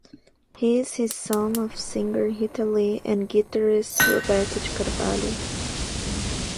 He is he son of singer Rita Lee and guitarist Roberto de Carvalho.